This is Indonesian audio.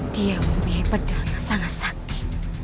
dia memiliki pedang yang sangat sakti